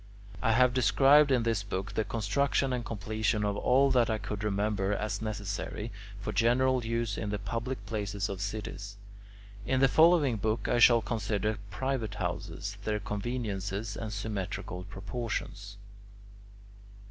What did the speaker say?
I have described in this book the construction and completion of all that I could remember as necessary for general use in the public places of cities. In the following book I shall consider private houses, their conveniences, and symmetrical proportions.